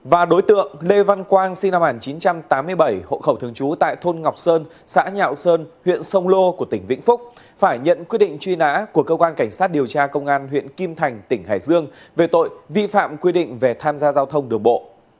và đối tượng lê văn quang sinh năm một nghìn chín trăm tám mươi bảy hộ khẩu thường trú tại thôn ngọc sơn xã nhạo sơn huyện sông lô của tỉnh vĩnh phúc phải nhận quyết định truy nã của cơ quan cảnh sát điều tra công an huyện kim thành tỉnh hải dương về tội vi phạm quy định về tham gia giao thông đường bộ